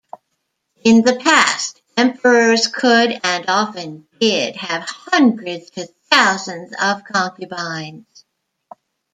In the past, Emperors could and often did have hundreds to thousands of concubines.